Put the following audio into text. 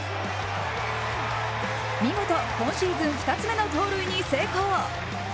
見事、今シーズン２つ目の盗塁に成功。